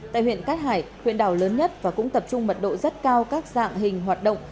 tại huyện cát hải huyện đảo lớn nhất và cũng tập trung mật độ rất cao các dạng hình hoạt động